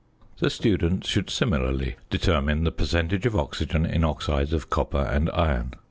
The student should similarly determine the percentage of oxygen in oxides of copper and iron.